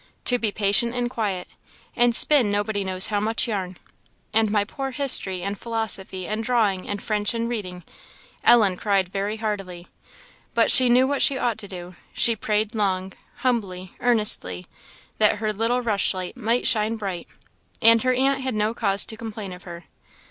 "To be patient and quiet! and spin nobody knows how much yarn and my poor history and philosophy and drawing and French and reading!" Ellen cried very heartily. But she knew what she ought to do; she prayed long, humbly, earnestly, that "her little rushlight might shine bright;" and her aunt had no cause to complain of her.